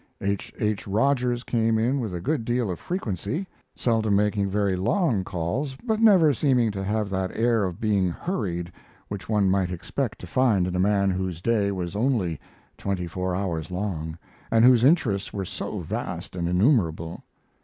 H. H. Rogers came in with a good deal of frequency, seldom making very long calls, but never seeming to have that air of being hurried which one might expect to find in a man whose day was only twenty four hours long, and whose interests were so vast and innumerable.